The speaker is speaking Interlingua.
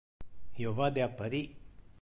Io vade a Paris.